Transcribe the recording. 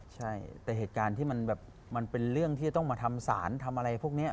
ใช่แต่เหตุการณ์ที่มันแบบมันเป็นเรื่องที่จะต้องมาทำศาลทำอะไรพวกนี้